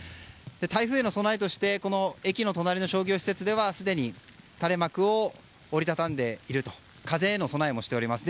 台風への備えとして駅の隣の商業施設ではすでに垂れ幕を折り畳んで風への備えもしています。